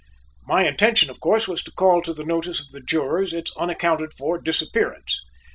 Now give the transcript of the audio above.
My intention, of course, was to call to the notice of the jurors its unaccounted for disappearance.